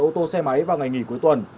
ô tô xe máy vào ngày nghỉ cuối tuần